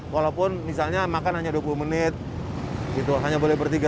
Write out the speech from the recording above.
walaupun misalnya makan hanya dua puluh menit gitu hanya boleh bertiga